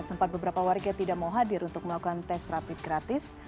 sempat beberapa warga tidak mau hadir untuk melakukan tes rapid gratis